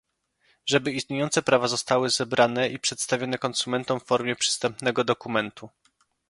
żeby istniejące prawa zostały zebrane i przedstawione konsumentom w formie przystępnego dokumentu